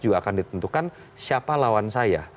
juga akan ditentukan siapa lawan saya